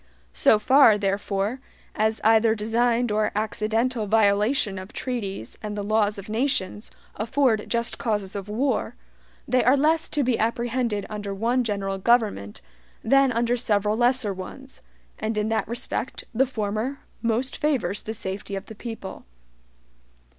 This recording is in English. So far, therefore, as either designed or accidental violations of treaties and the laws of nations afford JUST causes of war, they are less to be apprehended under one general government than under several lesser ones, and in that respect the former most favors the SAFETY of the people.